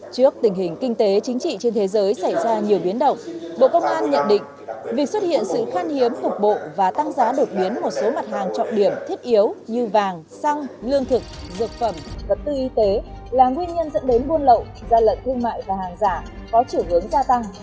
trước tình hình kinh tế chính trị trên thế giới xảy ra nhiều biến động bộ công an nhận định việc xuất hiện sự khan hiếm cục bộ và tăng giá đột biến một số mặt hàng trọng điểm thiết yếu như vàng xăng lương thực dược phẩm vật tư y tế là nguyên nhân dẫn đến buôn lậu gian lận thương mại và hàng giả có chiều hướng gia tăng